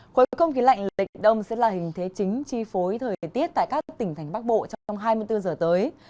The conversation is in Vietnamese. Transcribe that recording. khối không khí lạnh lịch đông sẽ là hình thế chính chi phối thời tiết tại các tỉnh thành bắc bộ trong hai mươi bốn giờ tới